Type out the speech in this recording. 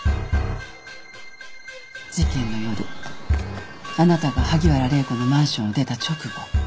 事件の夜あなたが萩原礼子のマンションを出た直後